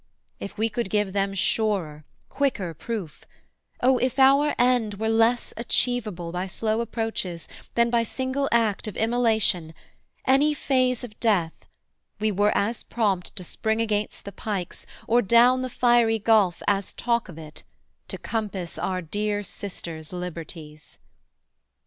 If we could give them surer, quicker proof Oh if our end were less achievable By slow approaches, than by single act Of immolation, any phase of death, We were as prompt to spring against the pikes, Or down the fiery gulf as talk of it, To compass our dear sisters' liberties.'